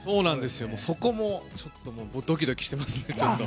そこもドキドキしてます。